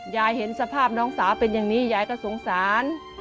เห็นสภาพน้องสาวเป็นอย่างนี้ยายก็สงสาร